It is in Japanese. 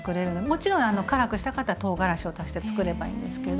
もちろん辛くしたかったらとうがらしを足してつくればいいんですけど。